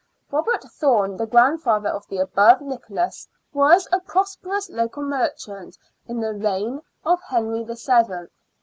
Robert Thorne, the grandfather of the above Nicholas, was a prosperous local merchant in the reign of Henry VH.